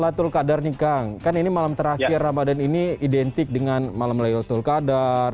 lalatul qadar nih kang kan ini malam terakhir ramadan ini identik dengan malam laylatul qadar